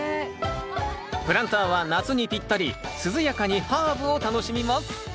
プランターは夏にぴったり涼やかにハーブを楽しみます